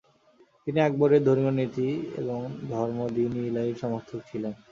তিনি আকবরের ধর্মীয় নীতি এবং ধর্ম দীন-ই-ইলাহির সমর্থক ছিলেন।